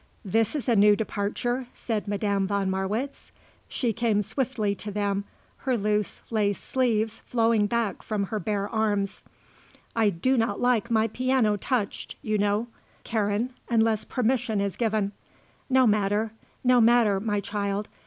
"This is a new departure," said Madame von Marwitz. She came swiftly to them, her loose lace sleeves flowing back from her bare arms. "I do not like my piano touched, you know, Karen, unless permission is given. No matter, no matter, my child.